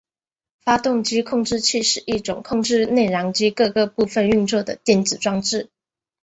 发动机控制器是一种控制内燃机各个部分运作的电子装置。